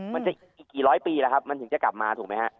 มันจะกี่ร้อยปีแล้วครับมันถึงจะกลับมาถูกไหมฮะ